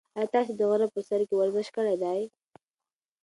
ایا تاسي د غره په سر کې ورزش کړی دی؟